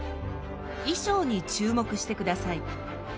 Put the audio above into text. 衣装に注目してください。